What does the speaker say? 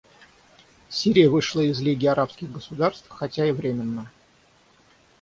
Сирия вышла из Лиги арабских государств, хотя и временно.